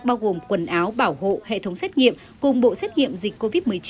bao gồm quần áo bảo hộ hệ thống xét nghiệm cùng bộ xét nghiệm dịch covid một mươi chín